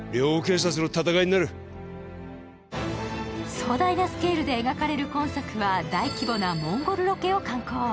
壮大なスケールで描かれる今作は大規模なモンゴルロケを敢行。